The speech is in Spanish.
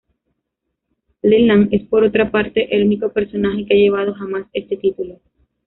Leland es, por otra parte, el único personaje que ha llevado jamás este título.